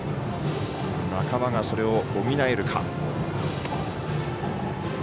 仲間が、それを補えるか。